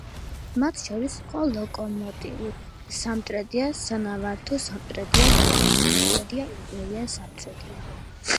მათ შორის იყო „ლოკომოტივი“ სამტრედია, „სანავარდო“ სამტრედია, „ჯუბა“ სამტრედია, „იბერია“ სამტრედია.